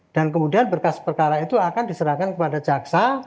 dan kemudian berkas perkara itu akan diserahkan kepada jaksa